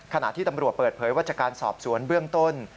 ขณะที่ตำรวจเปิดเผยว่าจากการสอบสวนเบื้องต้น